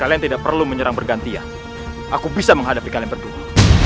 kalian tidak perlu menyerang bergantian aku bisa menghadapi kalian berdua